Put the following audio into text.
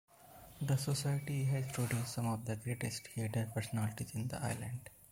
The Society has produced some of the greatest theatre personalities in the Island.